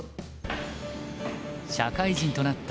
社会人となった